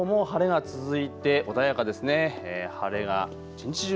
天気のほうも晴れが続いて穏やかですね。